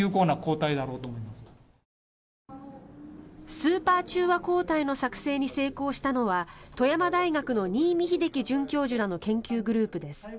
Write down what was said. スーパー中和抗体の作成に成功したのは富山大学の仁井見英樹准教授らの研究グループです。